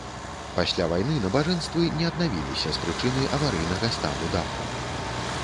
Пасля вайны набажэнствы не аднавіліся з прычыны аварыйнага стану даху.